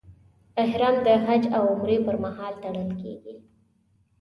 احرام د حج او عمرې پر مهال تړل کېږي.